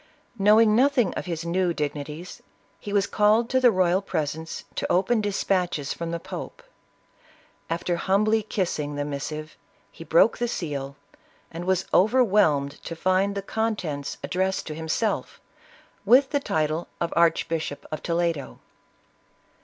Knowing nothing of his new dignities, he was called to the royal pres ence, to open dispatches from the pope. After humbly kissing the missive, he broke the seal, and was over whelmed to find the contents addressed to himself, with the title of Archbishop of Toledo.